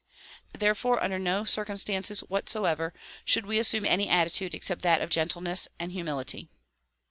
Therefore under no circumstances whatsoever should we assume any attitude except that of gentleness and humility.